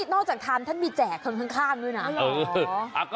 นอกจากทานท่านมีแจกคนข้างด้วยนะ